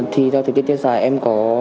thì theo thời tiết tiên dài em có